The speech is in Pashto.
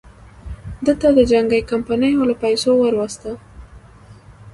ده ته د جنګي کمپنیو له پیسو وروسته.